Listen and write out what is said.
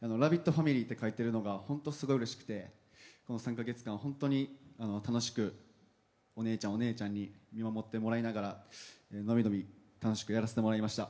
ファミリーって書いてるのがほんと、すっごいうれしくて、３か月間楽しく、お兄ちゃんお姉ちゃんに見守ってもらいながら楽しくやらせていただきました。